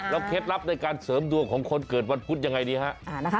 เคล็ดลับในการเสริมดวงของคนเกิดวันพุธยังไงดีฮะ